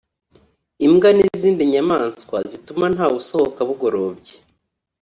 imbwa n’izindi nyamaswa zituma ntawe usohoka bugorobye